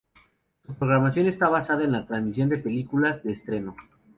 Su programación está basada en la transmisión de películas de estreno.